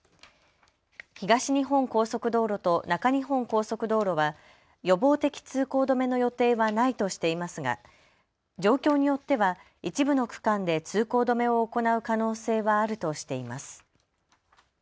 東日本高速道路と中日本高速道路は予防的通行止めの予定はないとしていますが、状況によっては一部の区間で通行止めを行う可能性はあるとしています。